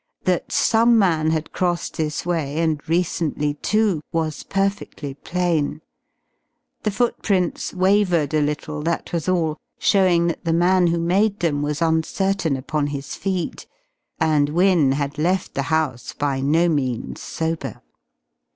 That some man had crossed this way, and recently, too, was perfectly plain. The footprints wavered a little that was all, showing that the man who made them was uncertain upon his feet. And Wynne had left the house by no means sober!